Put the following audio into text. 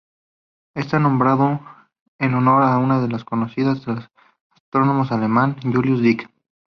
Está nombrado en honor de una conocida del astrónomo alemán Julius Dick.